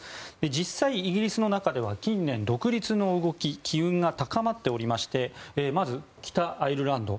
実際、イギリスの中では近年独立の動き、機運が高まっていましてまず、北アイルランド